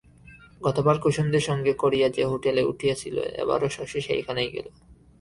গতবার কুসুমদের সঙ্গে করিয়া যে হোটেলে উঠিয়াছিল এবারও শশী সেইখানে গেল।